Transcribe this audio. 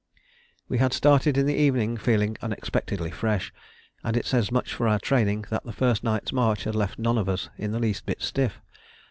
We had started in the evening feeling unexpectedly fresh, and it says much for our training that the first night's march had left none of us in the least bit stiff.